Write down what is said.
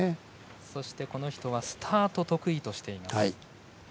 そして、この人はスタートを得意としています。